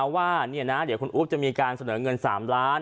ว่าคุณอุ๊ปจะเสนอเงิน๓ล้านครับ